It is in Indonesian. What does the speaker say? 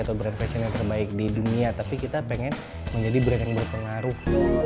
atau brand fashion yang terbaik di dunia tapi kita pengen menjadi brand yang berpengaruh